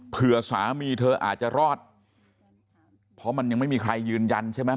สามีเธออาจจะรอดเพราะมันยังไม่มีใครยืนยันใช่ไหม